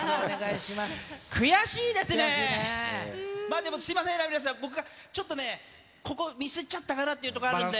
でもすみません、ラミレスさん、僕がちょっとね、ここ、ミスっちゃったかなっていうところあるんで。